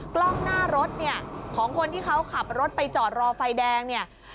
กล้องหน้ารถเนี่ยของคนที่เขาขับรถไปจอดรอไฟแดงเนี่ย